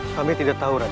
kami tidak tahu raden